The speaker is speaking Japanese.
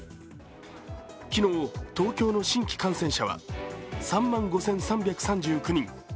昨日、東京の新規感染者は３万５３３９人。